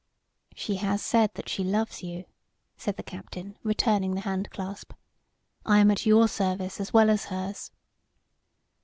"She has said that she loves you," said the captain, returning the hand clasp. "I am at your service as well as hers."